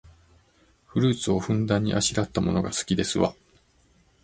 フルーツをふんだんにあしらったものが好きですわ